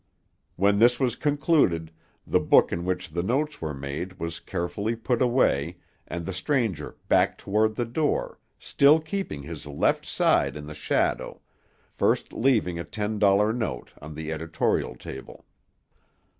When this was concluded, the book in which the notes were made was carefully put away, and the stranger backed toward the door, still keeping his left side in the shadow, first leaving a ten dollar note on the editorial table.